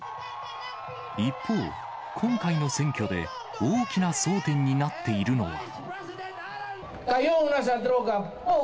一方、今回の選挙で大きな争点になっているのは。